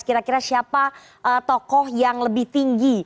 kira kira siapa tokoh yang lebih tinggi